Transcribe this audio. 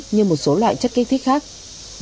như một số loại nhà hàng